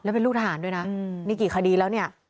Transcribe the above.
เป็นลูกทหารด้วยนะนี่กี่คดีแล้วเนี่ย